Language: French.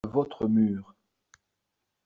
Votre mur.